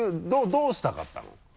どうしたかったの？